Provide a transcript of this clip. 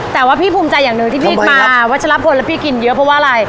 แต่ว่าพี่ภูมิใจอย่างหนึ่งที่พี่มาวัชลพลแล้วพี่กินเยอะเพราะว่าอะไร